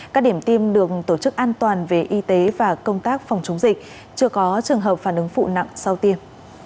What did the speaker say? các điểm tiêm được tổ chức an toàn về y tế và công tác phòng chống dịch chưa có trường hợp phản ứng phụ nặng sau tiêm